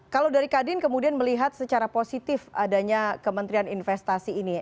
kalau dari kadin kemudian melihat secara positif adanya kementerian investasi ini